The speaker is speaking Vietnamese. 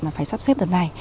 mà phải sắp xếp đợt này